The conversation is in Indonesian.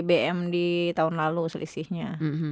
bbm di tahun lalu selisihnya